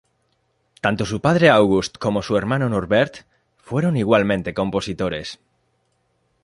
Tanto su padre August como su hermano Norbert fueron igualmente compositores.